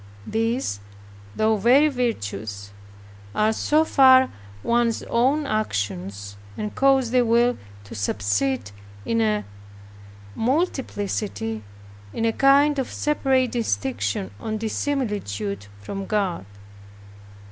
These though very virtuous, are so far one's own actions, and cause the will to subsist in a multiplicity, in a kind of separate distinction or dissimilitude from God.